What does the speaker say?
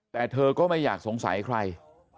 แต่เธอก็ไม่อยากสงสัยใคร